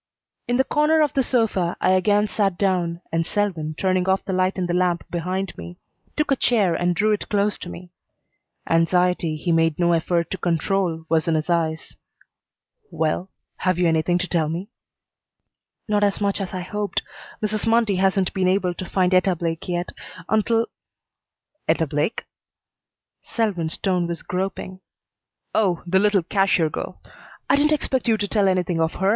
In the corner of the sofa I again sat down, and Selwyn, turning off the light in the lamp behind me, took a chair and drew it close to me. Anxiety he made no effort to control was in his eyes. "Well have you anything to tell me?" "Not as much as I hoped. Mrs. Mundy hasn't been able to find Etta Blake yet. Until " "Etta Blake?" Selwyn's tone was groping. "Oh, the little cashier girl. I didn't expect you to tell anything of her.